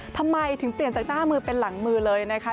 ทำไมถึงเปลี่ยนจากหน้ามือเป็นหลังมือเลยนะคะ